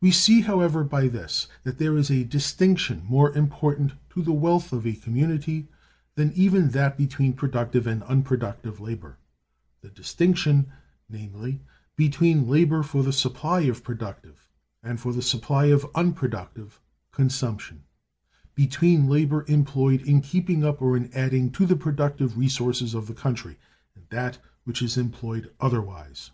We see, however, by this, that there is a distinction more important to the wealth of a community than even that between productive and unproductive labor; the distinction, namely, between labor for the supply of productive, and for the supply of unproductive, consumption; between labor employed in keeping up or in adding to the productive resources of the country, and that which is employed otherwise.